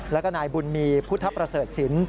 แล้วก็นายบุญมีพุทธประเสริฐศิลป